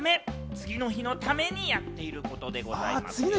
次の日のためにやっていることですよ。